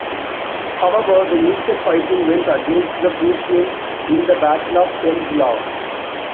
However, the initial fighting went against the Prussians in the Battle of Prenzlau.